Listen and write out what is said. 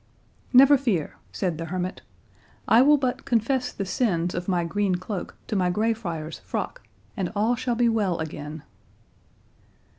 "Never fear," said the hermit; "I will but confess the sins of my green cloak to my greyfriar's frock, and all shall be well again."